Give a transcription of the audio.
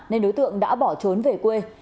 nên đối tượng đã bỏ trốn về quê